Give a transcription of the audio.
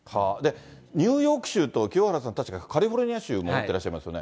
ニューヨーク州と清原さんはカリフォルニア州も持ってらっしゃいますよね。